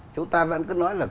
chúng ta vẫn cứ nói là